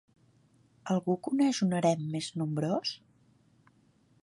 Algú coneix un harem més nombrós?